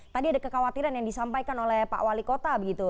tadi ada kekhawatiran yang disampaikan oleh pak wali kota begitu